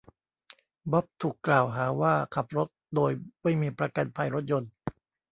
บ๊อบถูกกล่าวหาว่าขับรถโดยไม่มีประกันภัยรถยนต์